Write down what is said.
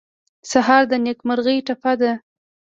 سهار د نېکمرغۍ ټپه ده.